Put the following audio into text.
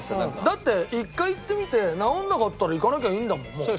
だって一回行ってみて治らなかったら行かなきゃいいんだもんもう。